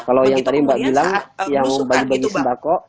kalau yang tadi mbak bilang yang bagi bagi sembako